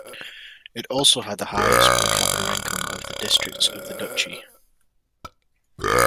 It also had the highest per capita income of the districts of the duchy.